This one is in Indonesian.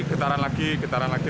getaran lagi getaran lagi